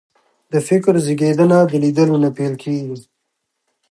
د فکر زېږنده د لیدلو نه پیل کېږي